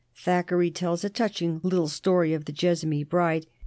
Thackeray tells a touching little story of the Jessamy Bride.